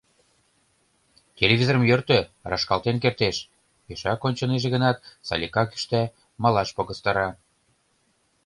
— Телевизорым йӧртӧ, рашкалтен кертеш, — пешак ончынеже гынат, Салика кӱшта, малаш погыстара.